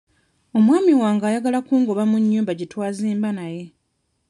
Omwami wange ayagala kungoba mu nnyumba gye twazimba naye.